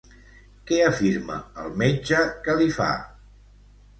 Què afirma el metge que li fa?